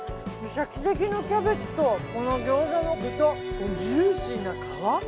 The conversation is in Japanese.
シャキシャキのキャベツとこのギョーザの具とジューシーな皮。